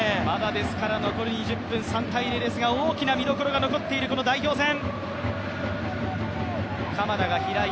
ですから残り２０分、３−０ですが大きな見どころが残っているこの代表戦。